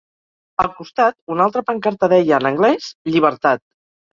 Al costat, una altra pancarta deia en anglès ‘Llibertat’.